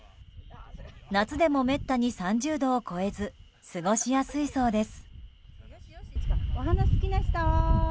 夏でもめったに３０度を超えず過ごしやすいそうです。